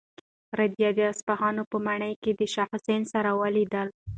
رېدي د اصفهان په ماڼۍ کې د شاه حسین سره ولیدل.